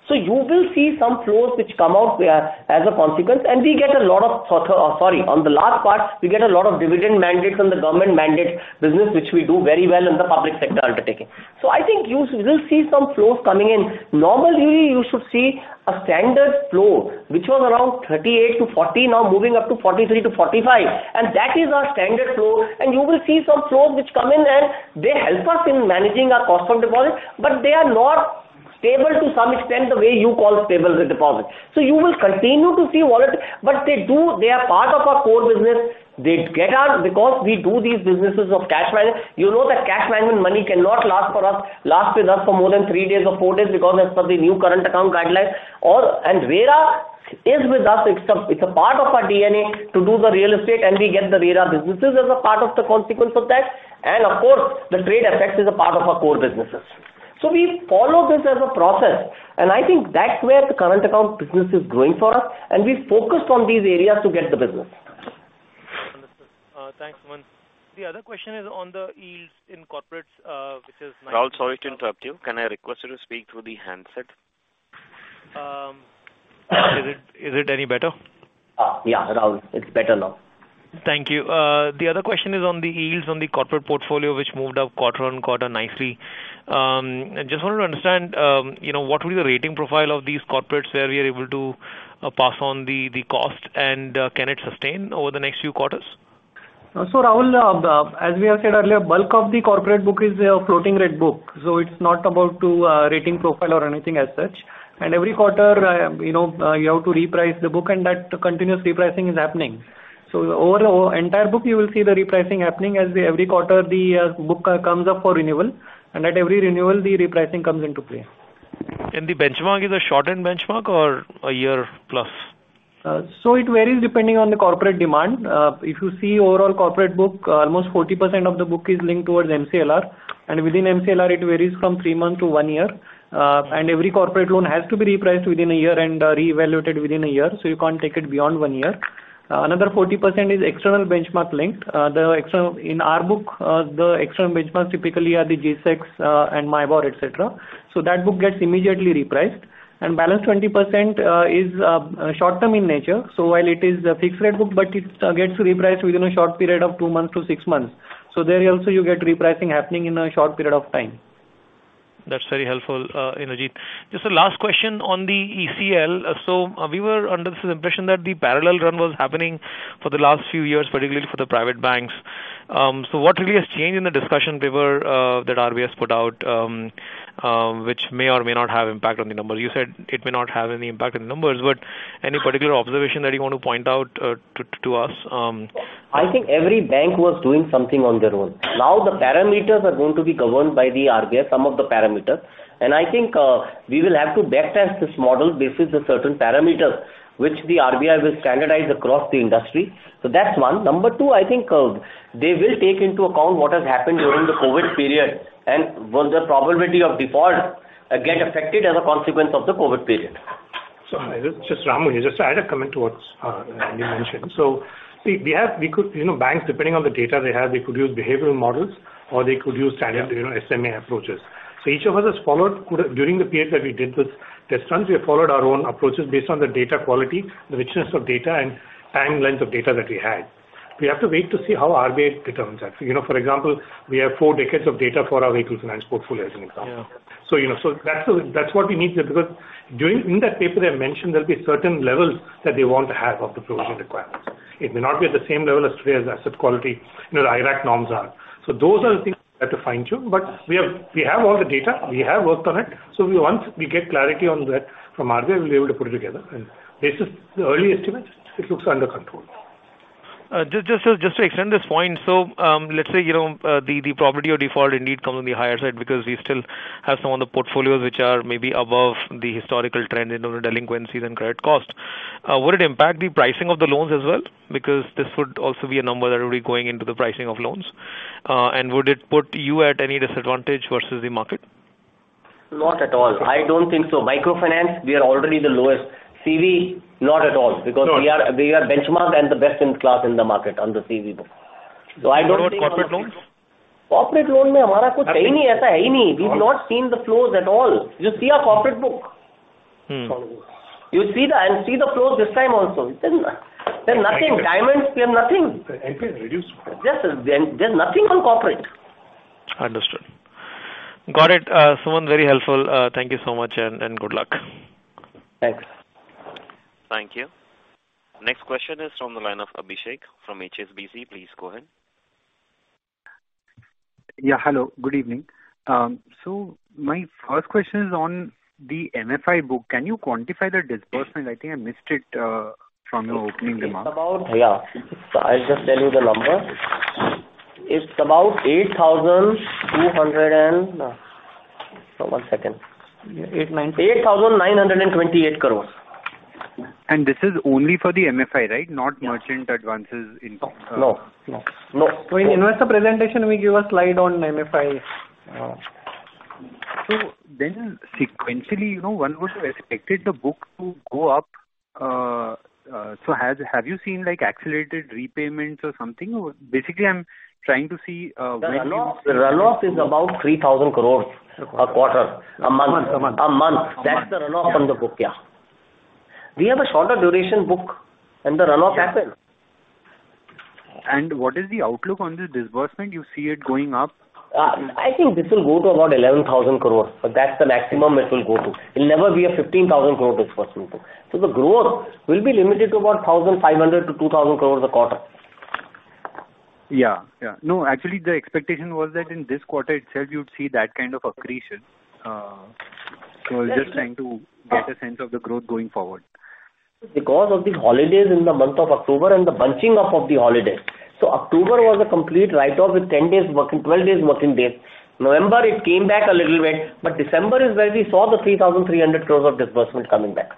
Speaker 2: rates. You will see some flows which come out as a consequence. On the last part, we get a lot of dividend mandates on the government mandate business which we do very well in the public sector undertaking. I think you will see some flows coming in. Normally you should see a standard flow which was around 38-40 now moving up to 43-45, That is our standard flow and you will see some flows which come in and they help us in managing our cost of deposit, but they are not stable to some extent the way you call stables with deposits. You will continue to see volatility, but they are part of our core business. Because we do these businesses of cash management. You know that cash management money cannot last with us for more than three days or four days because as per the new current account guidelines or, and [VERAIs] with us. It's a part of our DNA to do the real estate, and we get the RERA businesses as a part of the consequence of that. Of course, the trade effects is a part of our core businesses. We follow this as a process, and I think that's where the current account business is growing for us, and we focus on these areas to get the business.
Speaker 6: Understood. Thanks, Suman. The other question is on the yields in corporates.
Speaker 1: Rahul, sorry to interrupt you. Can I request you to speak through the handset?
Speaker 6: Is it any better?
Speaker 2: Yeah, Rahul, it's better now.
Speaker 6: Thank you. The other question is on the yields on the corporate portfolio, which moved up quarter on quarter nicely. I just wanted to understand, you know, what were the rating profile of these corporates where we are able to pass on the cost and can it sustain over the next few quarters?
Speaker 7: Rahul, as we have said earlier, bulk of the corporate book is a floating rate book, so it's not about to rating profile or anything as such. Every quarter, you know, you have to reprice the book, and that continuous repricing is happening. Over entire book, you will see the repricing happening as every quarter the book comes up for renewal. At every renewal, the repricing comes into play.
Speaker 6: The benchmark is a short-end benchmark or a year plus?
Speaker 7: It varies depending on the corporate demand. If you see overall corporate book, almost 40% of the book is linked towards MCLR. Within MCLR, it varies from three months to one year. Every corporate loan has to be repriced within a year and reevaluated within a year, so you can't take it beyond one year. Another 40% is external benchmark linked. The external benchmarks typically are the G-Secs and MIBOR, et cetera. That book gets immediately repriced. Balance 20% is short-term in nature. While it is a fixed rate book, but it gets repriced within a short period of two months to six months. There also you get repricing happening in a short period of time.
Speaker 6: That's very helpful, Indrajit. Just a last question on the ECL. We were under the impression that the parallel run was happening for the last few years, particularly for the private banks. What really has changed in the discussion paper that RBI has put out, which may or may not have impact on the numbers? You said it may not have any impact on the numbers, but any particular observation that you want to point out to us?
Speaker 2: I think every bank was doing something on their own. Now the parameters are going to be governed by the RBI, some of the parameters. I think, we will have to back test this model basis the certain parameters which the RBI will standardize across the industry. That's one. Number two, I think, they will take into account what has happened during the COVID period and will the probability of default, get affected as a consequence of the COVID period.
Speaker 4: Sorry. This is Ramu here. Just to add a comment towards what you mentioned. We could, you know, banks, depending on the data they have, they could use behavioral models or they could use standard, you know, SMA approaches. During the period that we did this test runs, we have followed our own approaches based on the data quality, the richness of data and time length of data that we had. We have to wait to see how RBI determines that. You know, for example, we have four decades of data for our vehicle finance portfolio as an example.
Speaker 6: Yeah.
Speaker 4: You know, that's what we need to. Because during, in that paper they mentioned there'll be certain levels that they want to have of the provisioning requirements. It may not be at the same level as today as asset quality, you know, the IRAC norms are. Those are the things we have to fine-tune. We have all the data, we have worked on it. We once we get clarity on that from RBI, we'll be able to put it together. Based on the early estimates, it looks under control.
Speaker 6: Just to extend this point. Let's say, you know, the probability of default indeed comes on the higher side because we still have some of the portfolios which are maybe above the historical trend in terms of delinquencies and credit cost. Would it impact the pricing of the loans as well? Because this would also be a number that will be going into the pricing of loans. Would it put you at any disadvantage versus the market?
Speaker 2: Not at all. I don't think so. Microfinance, we are already the lowest. CV, not at all.
Speaker 6: Sure.
Speaker 2: We are benchmarked and the best in class in the market on the CV book.
Speaker 6: What about corporate loans?
Speaker 2: We've not seen the flows at all. Just see our corporate book.
Speaker 6: Mm-hmm.
Speaker 2: See the flows this time also. There's nothing. Diamonds, we have nothing.
Speaker 4: NPA reduced.
Speaker 2: There's nothing on corporate.
Speaker 6: Understood. Got it. Suman, very helpful. Thank you so much and good luck.
Speaker 2: Thanks.
Speaker 1: Thank you. Next question is from the line of Abhishek from HSBC. Please go ahead.
Speaker 8: Yeah, hello. Good evening. My first question is on the MFI book. Can you quantify the disbursement? I think I missed it from your opening remarks.
Speaker 2: It's about. Yeah. I'll just tell you the number. It's about 8,200 and. One second. Yeah, 8 9- 8,928 crores.
Speaker 8: This is only for the MFI, right?
Speaker 2: Yeah.
Speaker 8: Not merchant advances.
Speaker 2: No. No. No. No.
Speaker 7: In investor presentation, we give a slide on MFI.
Speaker 8: Sequentially, you know, one would have expected the book to go up. Have you seen like accelerated repayments or something? Basically, I'm trying to see.
Speaker 2: The run-off is about 3,000 crores a quarter. A month.
Speaker 8: A month. A month.
Speaker 2: A month. That's the run-off on the book. Yeah. We have a shorter duration book and the run-off happens.
Speaker 8: What is the outlook on the disbursement? You see it going up?
Speaker 2: I think this will go to about 11,000 crores. That's the maximum it will go to. It'll never be a 15,000 crore disbursement book. The growth will be limited to about 1,500-2,000 crores a quarter.
Speaker 8: Yeah. Yeah. Actually the expectation was that in this quarter itself you'd see that kind of accretion. I was just trying to get a sense of the growth going forward.
Speaker 2: Because of the holidays in the month of October and the bunching up of the holidays. October was a complete write-off with 10 days working, 12 days working days. November, it came back a little bit, but December is where we saw the 3,300 crores of disbursement coming back.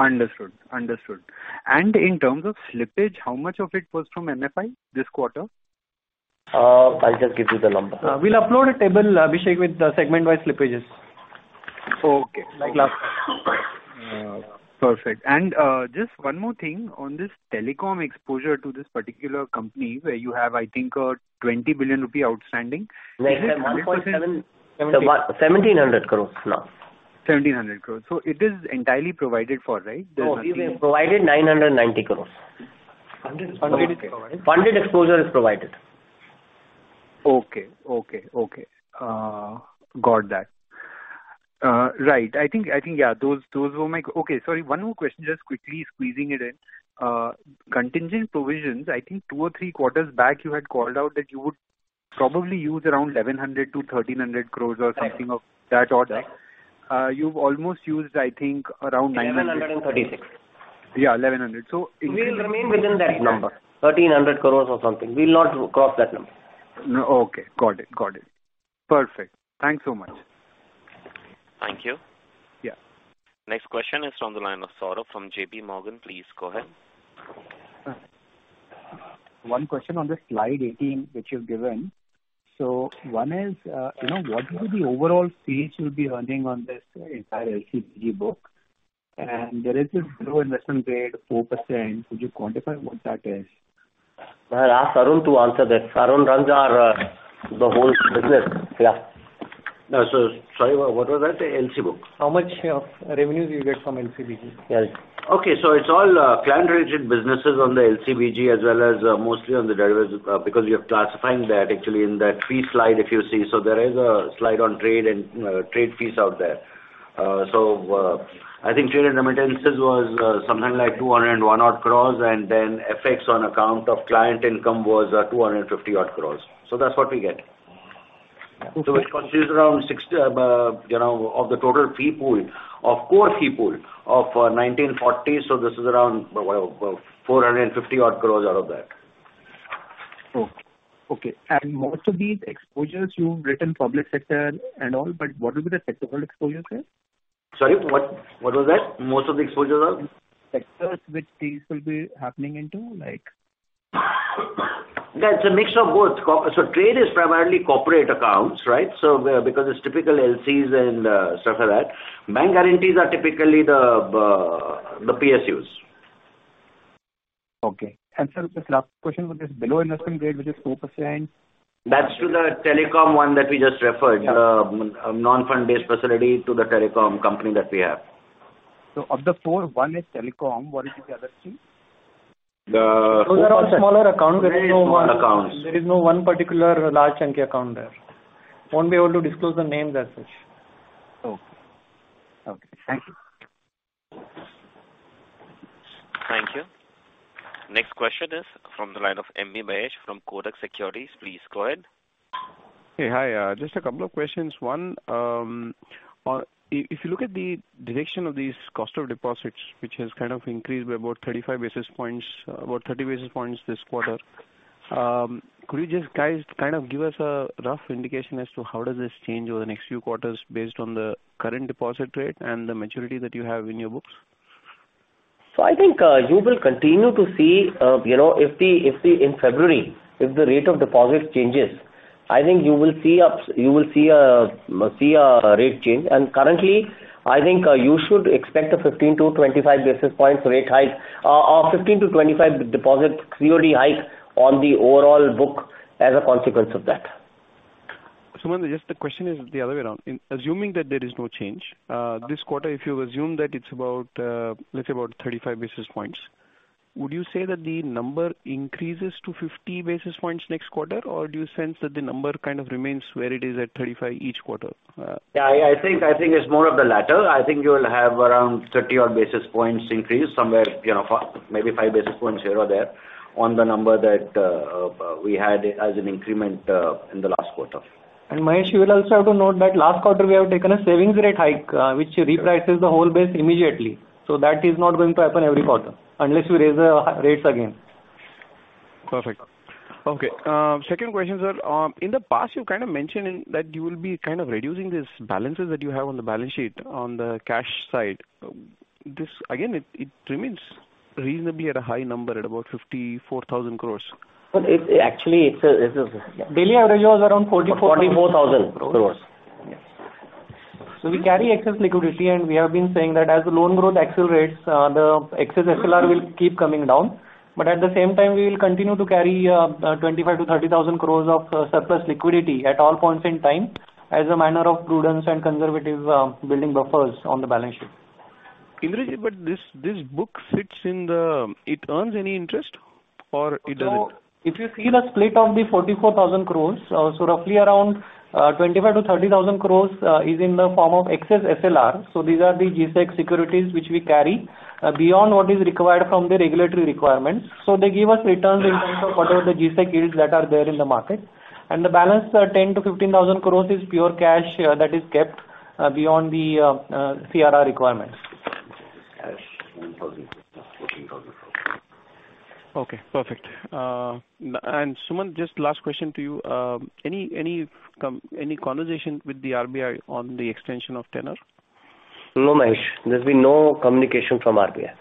Speaker 8: Understood. In terms of slippage, how much of it was from NFI this quarter?
Speaker 2: I'll just give you the number.
Speaker 7: We'll upload a table, Abhishek, with the segment-wide slippages.
Speaker 8: Okay.
Speaker 7: Like last time.
Speaker 8: Perfect. Just one more thing. On this telecom exposure to this particular company where you have, I think, a 20 billion rupee outstanding. Is it 100%?
Speaker 2: 1,700 crores now.
Speaker 8: 1,700 crores. It is entirely provided for, right?
Speaker 2: No. We have provided 990 crores.
Speaker 9: 100 is provided.
Speaker 2: Funded exposure is provided.
Speaker 8: Okay. Okay. Okay. Got that. Right. I think, yeah, those were my... Okay. Sorry, one more question, just quickly squeezing it in. Contingent provisions, I think two or three quarters back you had called out that you would probably use around 1,100-1,300 crores or something of that order. You've almost used, I think, around 900.
Speaker 2: 1,136.
Speaker 8: Yeah, 1,100.
Speaker 2: We'll remain within that number. 1,300 crores or something. We'll not cross that number.
Speaker 8: Okay. Got it. Got it. Perfect. Thanks so much.
Speaker 1: Thank you.
Speaker 8: Yeah.
Speaker 1: Next question is from the line of Saurabh from JP Morgan. Please go ahead.
Speaker 10: One question on this slide 18 which you've given. One is, you know, what will be the overall fees you'll be earning on this entire LCBG book? There is this low investment grade, 4%. Could you quantify what that is?
Speaker 2: I'll ask Arun to answer that. Arun runs our, the whole business. Yeah. No. Sorry, what was that? The LC book.
Speaker 10: How much of revenues you get from LCBG?
Speaker 11: Okay. It's all client-related businesses on the LCBG as well as mostly on the derivatives, because we are classifying that actually in that fee slide if you see. There is a slide on trade and trade fees out there. I think trade and remittances was something like 201 odd crores, and then FX on account of client income was 250 odd crores. That's what we get. It constitutes around 6, you know, of the total fee pool, of core fee pool of, 1,940. This is around, what, 450 odd crores out of that.
Speaker 10: Okay. Most of these exposures you've written public sector and all, but what will be the sectoral exposure there?
Speaker 11: Sorry, what was that? Most of the exposure are?
Speaker 10: Sectors which these will be happening into, like...
Speaker 11: That's a mix of both. Trade is primarily corporate accounts, right? Where, because it's typical LCs and stuff like that. Bank guarantees are typically the PSUs.
Speaker 10: Okay. Sir, this last question was this below investment grade, which is 4%.
Speaker 11: That's to the telecom one that we just referred.
Speaker 10: Yeah.
Speaker 11: The non-fund-based facility to the telecom company that we have.
Speaker 10: Of the four, one is telecom. What is the other three?
Speaker 11: The-
Speaker 7: Those are all smaller accounts. There is no one-
Speaker 11: Very small accounts.
Speaker 7: There is no one particular large chunky account there. Won't be able to disclose the names as such.
Speaker 10: Okay. Okay. Thank you.
Speaker 1: Thank you. Next question is from the line of M.B. Mahesh from Kotak Securities. Please go ahead.
Speaker 12: Hey. Hi. Just a couple of questions. One, if you look at the direction of these cost of deposits, which has kind of increased by about 35 basis points, about 30 basis points this quarter, could you just guide, kind of give us a rough indication as to how does this change over the next few quarters based on the current deposit rate and the maturity that you have in your books?
Speaker 2: I think, you will continue to see, you know, if the in February, if the rate of deposit changes, I think you will see a rate change. Currently, I think, you should expect a 15 to 25 basis points rate hike or 15 to 25 deposit COD hike on the overall book as a consequence of that.
Speaker 12: Sumant, just the question is the other way around. In assuming that there is no change, this quarter, if you assume that it's about, let's say about 35 basis points, would you say that the number increases to 50 basis points next quarter? Or do you sense that the number kind of remains where it is at 35 each quarter?
Speaker 11: Yeah. I think it's more of the latter. I think you'll have around 30 odd basis points increase somewhere, you know, maybe 5 basis points here or there on the number that we had as an increment in the last quarter.
Speaker 7: Mahesh, you will also have to note that last quarter we have taken a savings rate hike, which reprices the whole base immediately. That is not going to happen every quarter unless we raise rates again.
Speaker 12: Perfect. Okay. Second question, sir. In the past, you kind of mentioned that you will be kind of reducing these balances that you have on the balance sheet on the cash side. This, again, it remains reasonably at a high number at about 54,000 crore.
Speaker 2: it, actually it's a.
Speaker 7: Daily average was around 44,000 crores.
Speaker 2: 44,000.
Speaker 7: Yes. We carry excess liquidity, and we have been saying that as the loan growth accelerates, the excess SLR will keep coming down. At the same time, we will continue to carry 25,000-30,000 crores of surplus liquidity at all points in time as a manner of prudence and conservative, building buffers on the balance sheet.
Speaker 12: Sumant Kathpalia, this book sits in the. It earns any interest or it doesn't?
Speaker 7: If you see the split of the 44,000 crores, roughly around 25,000-30,000 crores is in the form of excess SLR. These are the G-Sec securities which we carry beyond what is required from the regulatory requirements. They give us returns in terms of whatever the G-Sec yields that are there in the market. The balance, 10,000-15,000 crores is pure cash that is kept beyond the CRR requirements.
Speaker 2: Cash. INR 10,000, INR 15,000 crores.
Speaker 12: Okay, perfect. Suman, just last question to you. Any conversation with the RBI on the extension of tenor?
Speaker 2: No, Mahesh. There's been no communication from RBI.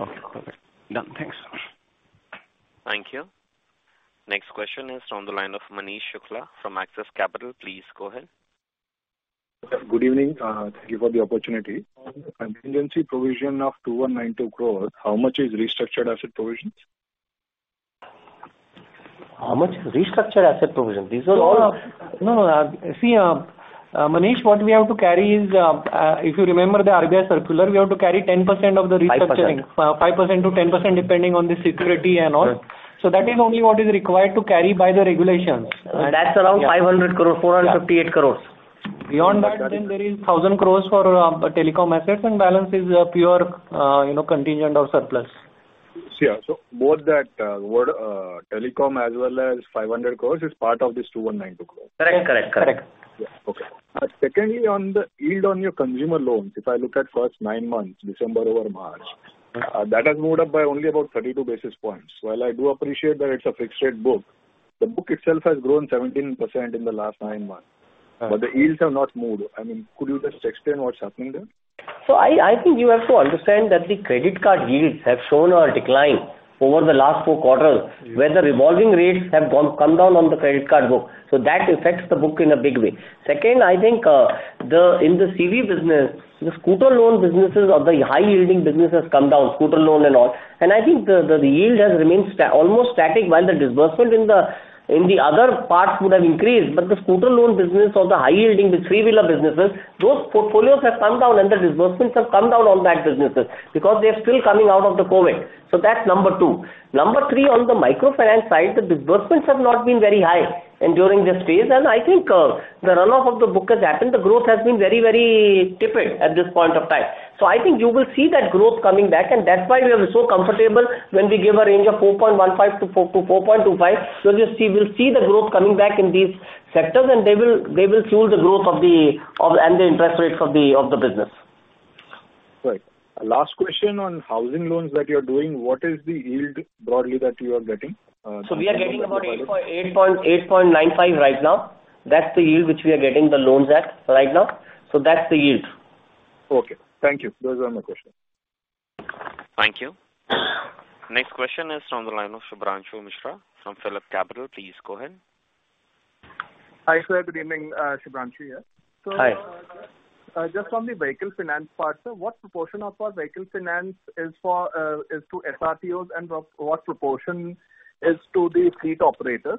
Speaker 12: Okay. Perfect. Done. Thanks.
Speaker 1: Thank you. Next question is on the line of Manish Shukla from Axis Capital. Please go ahead.
Speaker 13: Good evening. Thank you for the opportunity. Contingency provision of 2,192 crores, how much is restructured asset provisions?
Speaker 2: How much restructured asset provision? These are all. No, no. See, Manish, what we have to carry is, if you remember the RBI circular, we have to carry 10% of the restructuring. 5%.
Speaker 7: 5%-10%, depending on the security and all.
Speaker 13: Right.
Speaker 7: That is only what is required to carry by the regulations.
Speaker 2: That's around 500 crores, 458 crores.
Speaker 7: Beyond that, there is 1,000 crores for telecom assets and balance is pure, you know, contingent or surplus.
Speaker 13: Yeah. Both that, what, telecom as well as 500 crores is part of this 2,192 crores?
Speaker 2: Correct. Correct. Correct.
Speaker 13: Yeah. Okay. Secondly, on the yield on your consumer loans, if I look at first nine months, December over March-
Speaker 2: Mm-hmm.
Speaker 13: That has moved up by only about 32 basis points. While I do appreciate that it's a fixed rate book, the book itself has grown 17% in the last nine months.
Speaker 7: Uh.
Speaker 13: The yields have not moved. I mean, could you just explain what's happening there?
Speaker 2: I think you have to understand that the credit card yields have shown a decline over the last four quarters.
Speaker 13: Mm-hmm.
Speaker 2: Where the revolving rates have gone, come down on the credit card book, so that affects the book in a big way. Second, I think, in the CV business, the scooter loan businesses of the high-yielding business has come down, scooter loan and all. I think the yield has remained almost static while the disbursement in the other parts would have increased. The scooter loan business or the high-yielding, the three-wheeler businesses, those portfolios have come down and the disbursements have come down on that businesses because they are still coming out of the COVID. That's number 2. Number 3, on the microfinance side, the disbursements have not been very high and during this phase, and I think, the runoff of the book has happened. The growth has been very, very timid at this point of time. I think you will see that growth coming back, and that's why we are so comfortable when we give a range of 4.15-4.25, because you see, we'll see the growth coming back in these sectors and they will fuel the growth of the, of and the interest rates of the business.
Speaker 13: Last question on housing loans that you're doing, what is the yield broadly that you are getting?
Speaker 2: We are getting about 8.95% right now. That's the yield which we are getting the loans at right now. That's the yield.
Speaker 13: Okay. Thank you. Those are my questions.
Speaker 1: Thank you. Next question is on the line of Shubhranshu Mishra from PhillipCapital. Please go ahead.
Speaker 14: Hi, sir. Good evening. Shubhranshu here.
Speaker 2: Hi.
Speaker 14: Just on the vehicle finance part, sir, what proportion of our vehicle finance is for, is to SRTOs and what proportion is to the fleet operators?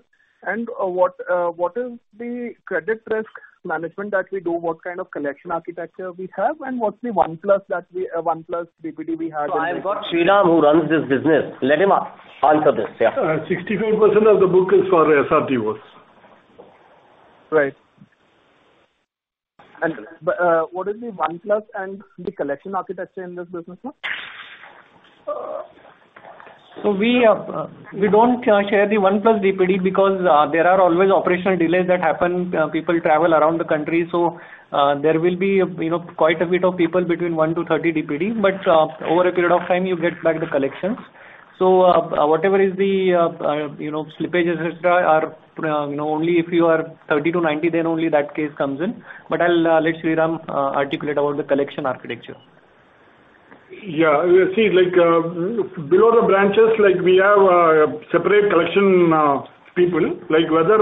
Speaker 14: What is the credit risk management that we do? What kind of collection architecture we have and what's the 1+ DPD we have in.
Speaker 2: I've got Sriram who runs this business. Let him answer this. Yeah.
Speaker 15: 65% of the book is for SRTOs.
Speaker 14: Right. what is the one plus and the collection architecture in this business, sir?
Speaker 7: We don't share the 1 plus DPD because there are always operational delays that happen. People travel around the country, there will be, you know, quite a bit of people between 1 to 30 DPD. Over a period of time, you get back the collections. Whatever is the, you know, slippages, et cetera, are, you know, only if you are 30 to 90, then only that case comes in. I'll let Sriram articulate about the collection architecture. You see, like, below the branches, like we have separate collection people. Like, whether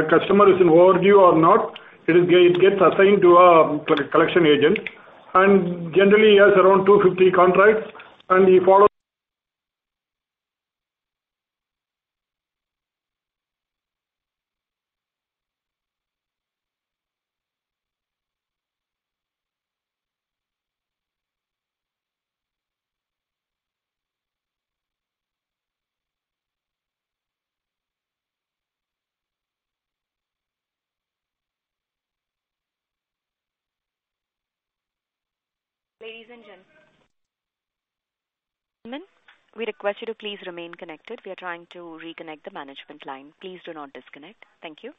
Speaker 7: a customer is in overdue or not, it gets assigned to a collection agent, and generally he has around 250 contracts and he follows-
Speaker 1: Ladies and gentlemen, we request you to please remain connected. We are trying to reconnect the management line. Please do not disconnect. Thank you.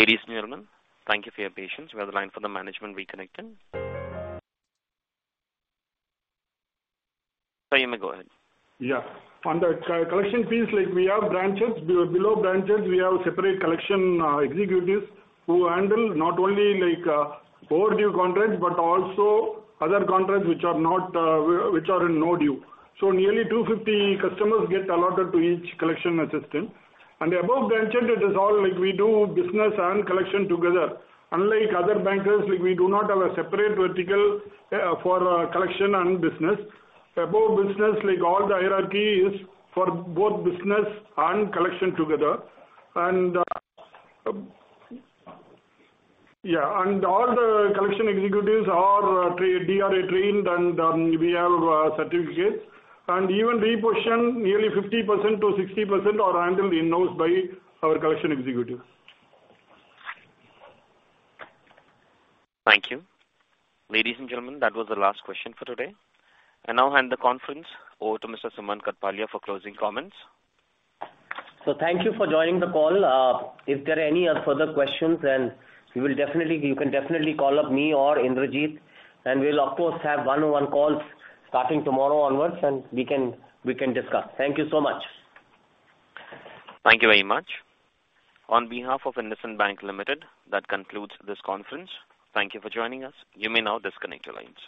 Speaker 1: Ladies and gentlemen, thank you for your patience. We have the line for the management reconnected. Sir, you may go ahead.
Speaker 15: On the co-collection piece, like we have branches. Below branches, we have separate collection executives who handle not only, like, overdue contracts, but also other contracts which are not, which are in no due. Nearly 250 customers get allotted to each collection assistant. Above branch head, it is all like we do business and collection together. Unlike other bankers, like we do not have a separate vertical for collection and business. Above business, like all the hierarchy is for both business and collection together. All the collection executives are DRA-trained and we have certificates. Even repossession, nearly 50%-60% are handled in-house by our collection executives.
Speaker 1: Thank you. Ladies and gentlemen, that was the last question for today. I now hand the conference over to Mr. Sumant Kathpalia for closing comments.
Speaker 2: Thank you for joining the call. If there are any further questions, we will definitely, you can definitely call up me or Indrajit, we'll of course have one-on-one calls starting tomorrow onwards, we can discuss. Thank you so much.
Speaker 1: Thank you very much. On behalf of IndusInd Bank Limited, that concludes this conference. Thank you for joining us. You may now disconnect your lines.